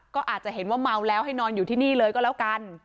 ก็อาจจะเห็นว่าเมาแล้วให้นอนอยู่ที่นี่เลยก็แล้วกัน